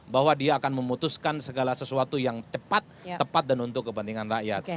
bahwa dia akan memutuskan segala sesuatu yang cepat tepat dan untuk kepentingan rakyat